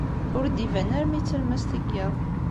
Ur d-iban armi d talemmast n yiḍ.